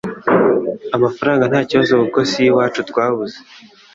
Amafaranga ntakibazo kuko siyo iwacu twabuze